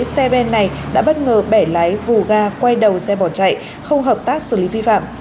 xe ben này đã bất ngờ bẻ lái vù ga quay đầu xe bỏ chạy không hợp tác xử lý vi phạm